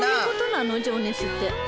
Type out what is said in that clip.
情熱って。